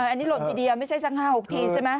อันนี้หล่นทีเดียวไม่ใช่สัก๕๖ทีใช่ไหม